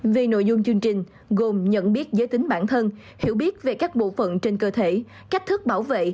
về nội dung chương trình gồm nhận biết giới tính bản thân hiểu biết về các bộ phận trên cơ thể cách thức bảo vệ